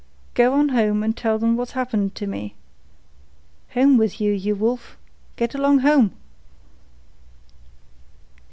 "Go on home and tell them what's happened to me. Home with you, you wolf. Get along home!"